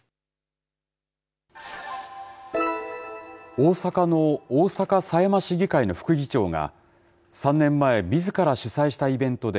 大阪の大阪狭山市議会の副議長が、３年前、みずから主催したイベントで、